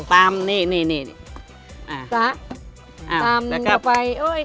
ตามนี่นี่นี่